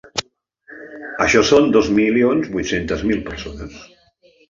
Això són dos milions vuit-centes mil persones.